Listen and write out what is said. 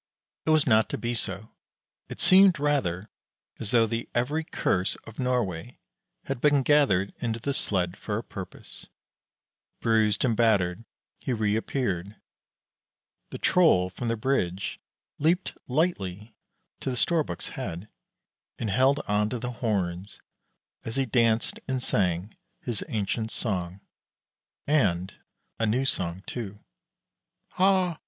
It was not to be so; it seemed rather as though the every curse of Norway had been gathered into the sled for a purpose. Bruised and battered, he reappeared. The Troll from the bridge leaped lightly to the Storbuk's head, and held on to the horns as he danced and sang his ancient song, and a new song, too: Ha!